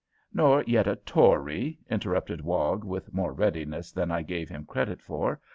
"Nor yet a Tory," interrupted Wog, with more readiness than I gave him credit for.